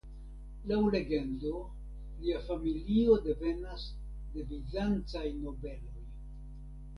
Laŭ legendo lia familio devenas de bizancaj nobeloj.